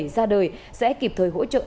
ra đời sẽ kịp thời hỗ trợ